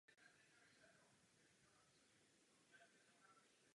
Po dokončení se jednalo o druhou výškovou budovu na Pankrácké pláni.